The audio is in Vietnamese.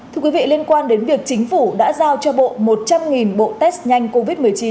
thưa quý vị liên quan đến việc chính phủ đã giao cho bộ một trăm linh bộ test nhanh covid một mươi chín